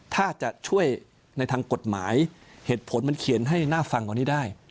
ถ้าจะช่วยในทางกฎหมายเหตุผลมันเขียนให้น่าฟังกว่านี้ได้